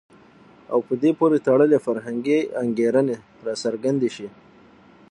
او په دې پورې تړلي فرهنګي انګېرنې راڅرګندې شي.